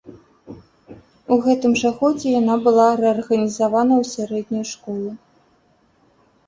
У гэтым жа годзе яна была рэарганізавана ў сярэднюю школу.